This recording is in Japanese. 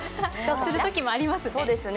するときもありますね。